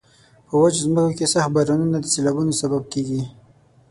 په وچو ځمکو کې سخت بارانونه د سیلابونو سبب کیږي.